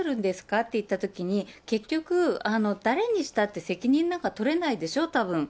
っていったときに、結局、誰にしたって責任なんか取れないでしょ、たぶん。